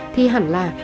thì hẳn là